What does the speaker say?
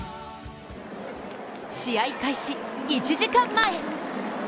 試合開始１時間前。